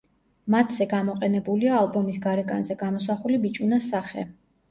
მათზე გამოყენებულია ალბომის გარეკანზე გამოსახული ბიჭუნას სახე.